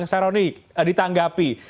bang saroni ditanggapi